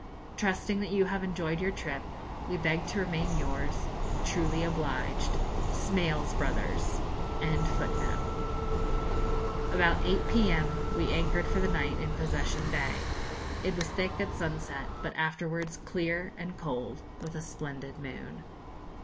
Trusting that you have enjoyed your trip, we beg to remain yours, truly obliged, 'SMALES Brothers.'] About 8 p.m. we anchored for the night in Possession Bay. It was thick at sunset, but afterwards clear and cold, with a splendid moon.